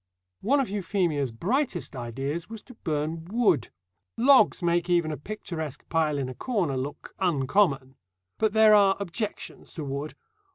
One of Euphemia's brightest ideas was to burn wood. Logs make even a picturesque pile in a corner look "uncommon." But there are objections to wood.